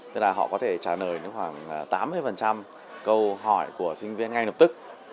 tức là họ có thể trả lời khoảng tám mươi vấn đề